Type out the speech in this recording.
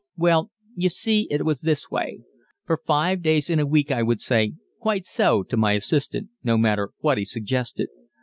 "Well, you see, it was this way: For five days in a week I would say, 'Quite so' to my assistant, no matter what he suggested.